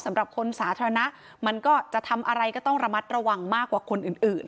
สำหรับคนสาธารณะมันก็จะทำอะไรก็ต้องระมัดระวังมากกว่าคนอื่น